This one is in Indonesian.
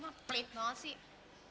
perplit banget sih